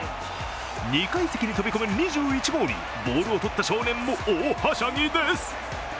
２階席に飛び込む２１号に、ボールをとった少年も大はしゃぎです。